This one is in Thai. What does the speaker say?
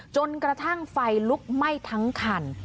จนกระทั่งไฟลุกไหม้ทั้งคัน